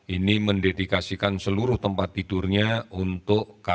ini mendedikasikan seluruh tempat tidurnya untuk karantina